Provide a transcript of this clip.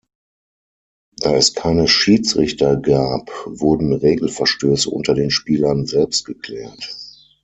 Da es keine Schiedsrichter gab, wurden Regelverstöße unter den Spielern selbst geklärt.